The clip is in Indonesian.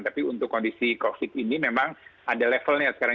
tapi untuk kondisi covid ini memang ada levelnya sekarang